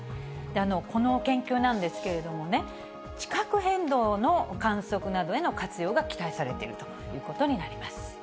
この研究なんですけれどもね、地殻変動の観測などへの活用が期待されているということになります。